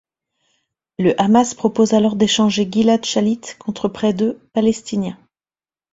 Le Hamas propose alors d’échanger Gilad Shalit contre près de palestiniens.